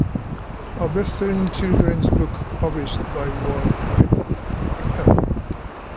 A bestselling children's book published by World Ahead, Help!